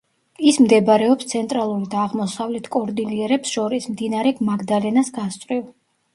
ის მდებარეობს ცენტრალური და აღმოსავლეთ კორდილიერებს შორის, მდინარე მაგდალენას გასწვრივ.